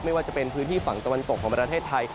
ไม่ว่าจะเป็นพื้นที่ฝั่งตะวันตกของประเทศไทย